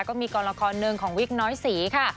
ก็มีกรละครหนึ่งของวิกน้อยศรีค่ะ